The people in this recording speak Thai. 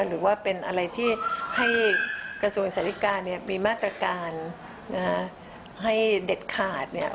หรือว่าเป็นอะไรที่ให้กระทรวงสาธิกาเนี่ยมีมาตรการให้เด็ดขาดเนี่ย